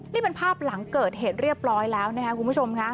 นี่เป็นภาพหลังเกิดเหตุเรียบร้อยแล้วนะครับคุณผู้ชมค่ะ